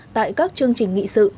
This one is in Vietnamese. tại các chương trình nghị sự